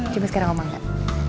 coba sekarang omangkan